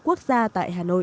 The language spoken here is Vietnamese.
quốc gia tại hà nội